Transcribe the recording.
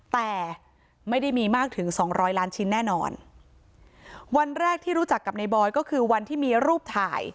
แต่ไม่ได้มีมากถึงสองร้อยล้านชิ้นแน่นอนวันแรกที่รู้จักกับในบอยก็คือวันที่มีรูปถ่าย